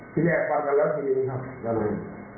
ที่แรกฟังกันแล้วทีนี้ครับยังไง